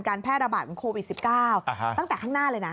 แพร่ระบาดของโควิด๑๙ตั้งแต่ข้างหน้าเลยนะ